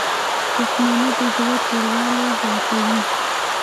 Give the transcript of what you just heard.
• دښمني د زړه توروالی زیاتوي.